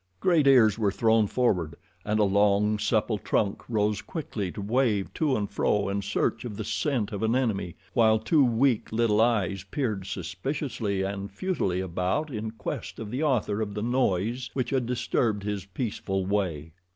Great ears were thrown forward, and a long, supple trunk rose quickly to wave to and fro in search of the scent of an enemy, while two weak, little eyes peered suspiciously and futilely about in quest of the author of the noise which had disturbed his peaceful way.